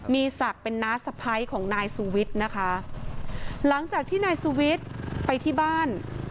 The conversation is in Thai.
มีศักดิ์เป็นน้าสะพ้ายของนายสุวิทย์นะคะหลังจากที่นายสุวิทย์ไปที่บ้าน